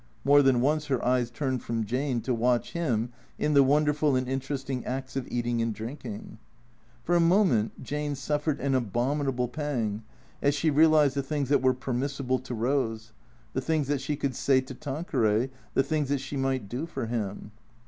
More than once her eyes turned from Jane to watch him in the wonderful and interesting acts of eating and drinking. For a moment Jane suffered an abominable pang as she real ized the things that were permissible to Eose, the things that she could say to Tanqueray, the things that she might do for him.